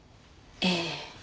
ええ。